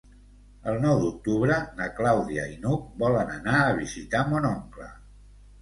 El nou d'octubre na Clàudia i n'Hug volen anar a visitar mon oncle.